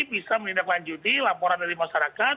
bahwa ini bisa dilakukan oleh masyarakat